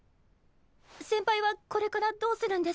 先輩はこれからどうするんですか？